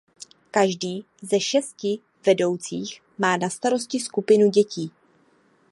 Každý ze šesti vedoucích má na starosti skupinu dětí.